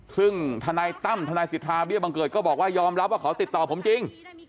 ซึ่งทนายตั้มทนายสิทธาเบี้ยบังเกิดก็บอกว่ายอมรับว่าเขาติดต่อผมจริง